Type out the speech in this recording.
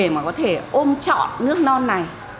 mà có thể ôm trọn nước non này